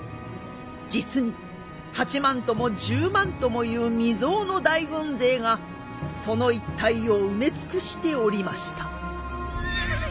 実に８万とも１０万ともいう未曽有の大軍勢がその一帯を埋め尽くしておりました。